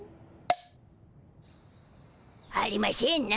ありましぇんな。